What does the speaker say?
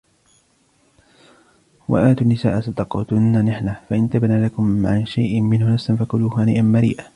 وآتوا النساء صدقاتهن نحلة فإن طبن لكم عن شيء منه نفسا فكلوه هنيئا مريئا